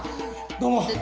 どうも。